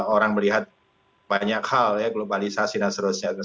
orang melihat banyak hal ya globalisasi dan seterusnya